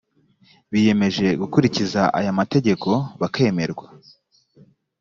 biyemeje gukurikiza aya mategeko bakemerwa